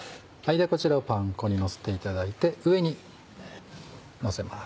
こちらをパン粉にのせていただいて上にのせます。